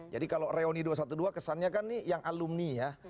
jadi kalau reuni dua ratus dua belas kesannya kan nih yang alumni ya